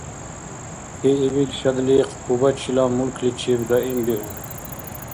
КӀиибил шадлихъ Кубачила мулкличиб даимбиуб.